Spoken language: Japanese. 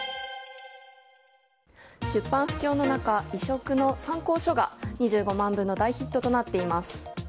出版不況の中、異色の参考書が２５万部の大ヒットとなっています。